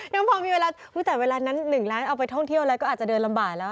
ยังพอมีเวลาแต่เวลานั้น๑ล้านเอาไปท่องเที่ยวอะไรก็อาจจะเดินลำบากแล้ว